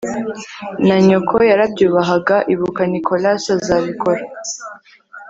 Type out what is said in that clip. na. nyoko yarabyubahaga. ibuka, nicholas azabikora